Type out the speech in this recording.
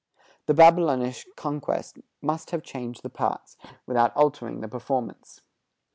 The Babylonish conquest must have changed the parts, without altering the performance.